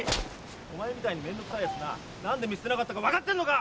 お前みたいに面倒くさいやつな何で見捨てなかったか分かってんのか？